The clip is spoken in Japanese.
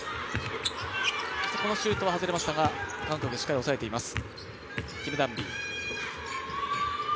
そしてこのシュートは外れましたが、韓国、しっかりおさえています。